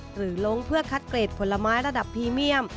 ล้งเพื่อคัดเกรดผลไม้ระดับพรีเมียม